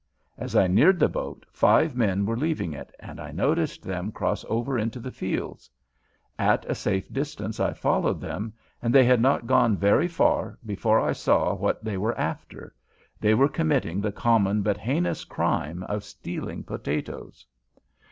As I neared the boat five men were leaving it, and I noticed them cross over into the fields. At a safe distance I followed them, and they had not gone very far before I saw what they were after. They were committing the common but heinous crime of stealing potatoes!